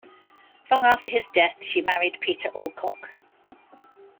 Long after his death she married Peter Alcock.